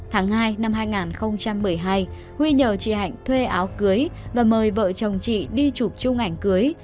tháng hai năm hai nghìn một mươi hai huy nhờ chị hạnh thuê áo cưới và mời vợ chồng chị đi chụp chung ảnh cưới